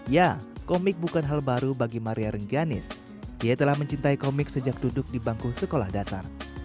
ya komik bukan hal baru bagi maria rengganis ia telah mencintai komik sejak duduk di bangku sekolah dasar